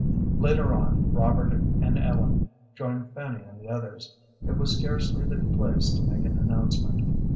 Later on Robert and Ellen joined Fanny and the others. It was scarcely the place to make an announcement.